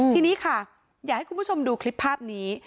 ทีนี้ค่ะอยากให้คุณผู้ชมดูคลิปภาพนี้